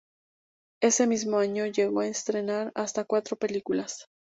Ese mismo año llegó a estrenar hasta cuatro películas.